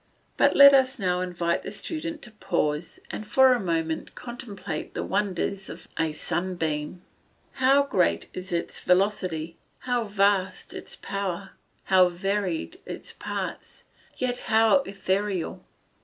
But let us now invite the student to pause, and for a moment contemplate the wonders of a sunbeam. How great is its velocity how vast its power how varied its parts yet how ethereal!